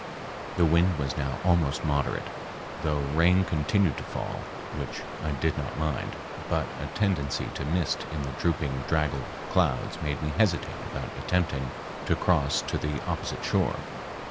The wind was now almost moderate, though rain continued to fall, which I did not mind, but a tendency to mist in the drooping draggled clouds made me hesitate about attempting to cross to the opposite shore.